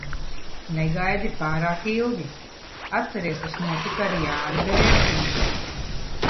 Negaidi pārāk ilgi. Atceries, kas notika ar Jāni Bērziņu?